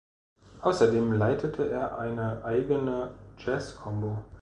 Außerdem leitete er eine eigene Jazz-Combo.